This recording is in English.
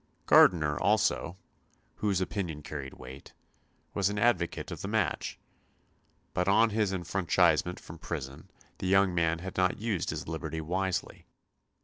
Gardiner also, whose opinion carried weight, was an advocate of the match. But on his enfranchisement from prison the young man had not used his liberty wisely.